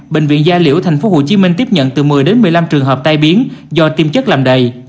bệnh viện gia liễu tp hcm tiếp nhận từ một mươi đến một mươi năm trường hợp tai biến do tiêm chất làm đầy